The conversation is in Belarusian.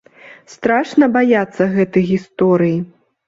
Страшна баяцца гэтай гісторыі.